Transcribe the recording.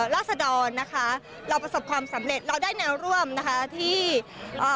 ราศดรนะคะเราประสบความสำเร็จเราได้แนวร่วมนะคะที่เอ่อ